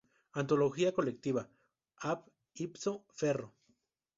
Antología colectiva: "Ab ipso ferro.